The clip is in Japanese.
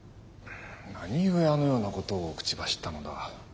何故あのようなことを口走ったのだ？